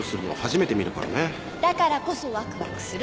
だからこそワクワクする。